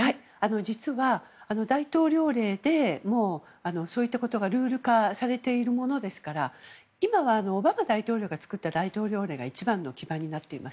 実は、大統領令でそういったことがルール化されているものですから今は、オバマ大統領が作った大統領令が一番の基盤になっています。